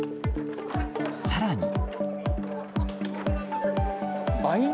さらに。